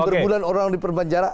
berbulan orang diperbanjara